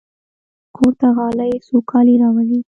کور ته غالۍ سوکالي راولي.